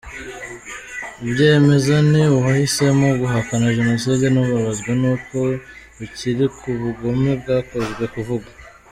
Ubyemeza ni uwahisemo guhakana jenoside, n’ubabazwa n’uko ukuri kw’ubugome bwakozwe kuvugwa.